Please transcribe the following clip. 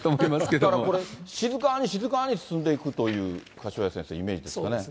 ただこれ、静かに静かに進んでいくという、柏谷先生、イメーそうですね。